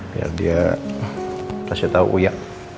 biar dia kasih tau uya